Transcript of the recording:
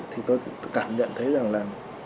thì tôi cũng cảm nhận thấy rằng là